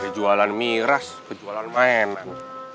dari jualan miras ke jualan mainan